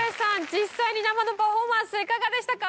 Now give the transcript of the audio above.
実際に生のパフォーマンスいかがでしたか？